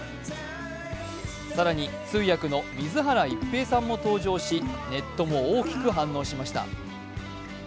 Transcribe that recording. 更に通訳の水原一平さんも登場しネットも大きく反応しました。